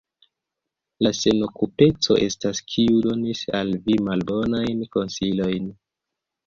La senokupeco estas, kiu donis al vi malbonajn konsilojn.